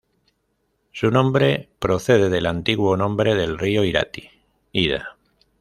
Su nombre procede del antiguo nombre del río Irati, "Ida".